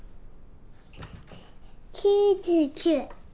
９９。